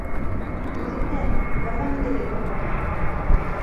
Егеттәр, ярҙам итегеҙ!